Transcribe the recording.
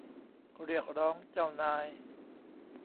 เรียกร้องเจ้านาย